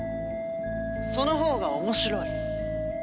そのほうが面白い。